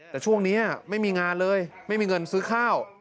แต่ช่วงนี้ไม่มีงานเลยไม่มีเงินซื้อข้าว